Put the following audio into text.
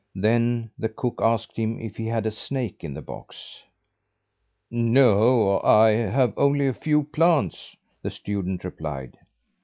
Then the cook asked him if he had a snake in the box. "No, I have only a few plants," the student replied.